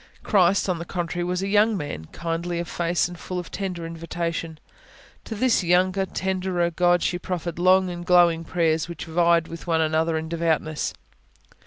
Christ, on the contrary, was a young man, kindly of face, and full of tender invitation. To this younger, tenderer God, she proffered long and glowing prayers, which vied with one another in devoutness.